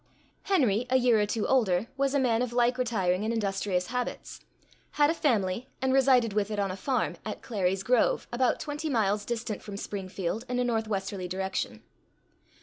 Henry, a year or two older, was a man of like retiring and industrious habits; had a family, and resided with it on a farm, at Clary's Grove, about twenty miles distant from Springfield in a northwesterly direction.